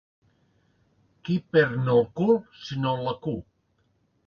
Qui perd no el cul sinó la cu?